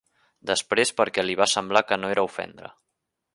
Després perquè li va semblar que no era ofendre